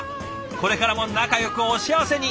これからも仲よくお幸せに！